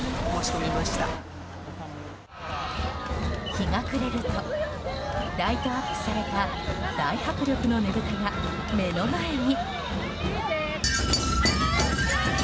日が暮れるとライトアップされた大迫力のねぶたが目の前に。